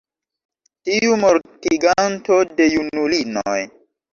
tiu mortiganto de junulinoj!